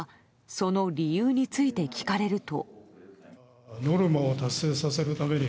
その理由について聞かれると。